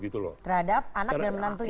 terhadap anak dan menantunya